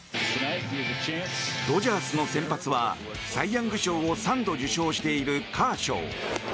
ドジャースの先発はサイ・ヤング賞を３度受賞しているカーショー。